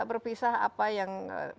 berbicara apa yang